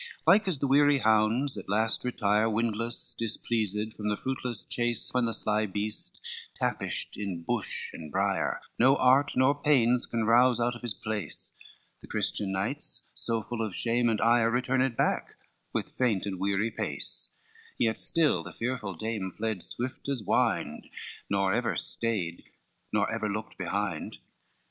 II Like as the weary hounds at last retire, Windless, displeased, from the fruitless chase, When the sly beast tapished in bush and brier, No art nor pains can rouse out of his place: The Christian knights so full of shame and ire Returned back, with faint and weary pace: Yet still the fearful dame fled swift as wind, Nor ever stayed, nor ever looked behind.